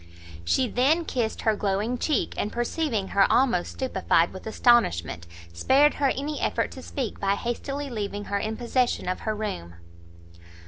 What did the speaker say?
She then kissed her glowing cheek, and perceiving her almost stupified with astonishment, spared her any effort to speak, by hastily leaving her in possession of her room.